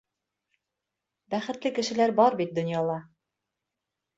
Бәхетле кешеләр бар бит донъяла!